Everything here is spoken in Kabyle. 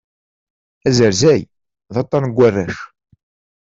Azerzay, d aṭṭan n warrac.